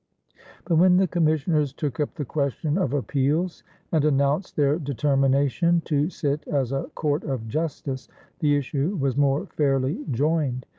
But when the commissioners took up the question of appeals and announced their determination to sit as a court of justice, the issue was more fairly joined.